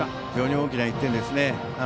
非常に大きな１点ですね。